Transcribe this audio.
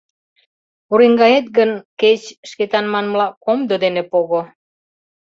Пуреҥгает гын, кеч, Шкетан манмыла, комдо дене пого...